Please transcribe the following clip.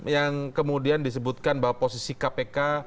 yang kemudian disebutkan bahwa posisi kpk